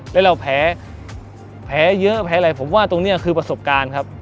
แล้วเราแพ้แพ้เยอะแพ้อะไรผมว่าตรงนี้คือประสบการณ์ครับ